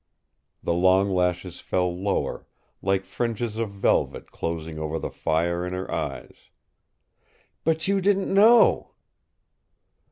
The long lashes fell lower, like fringes of velvet closing over the fires in her eyes. "But you didn't know!"